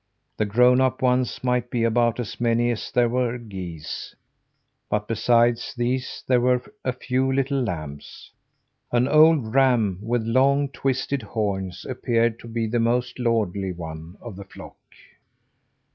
The grown up ones might be about as many as there were geese; but beside these there were a few little lambs. An old ram with long, twisted horns appeared to be the most lordly one of the flock.